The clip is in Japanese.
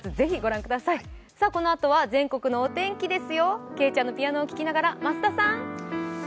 このあとは全国のお天気ですよ、けいちゃんのピアノを聴きながら増田さん。